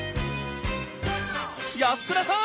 安倉さん